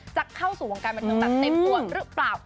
จะเข้าสู่วงการแบบนี้ตัดเต็มตัวหรือเปล่า